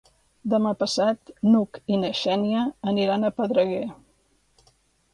Demà passat n'Hug i na Xènia aniran a Pedreguer.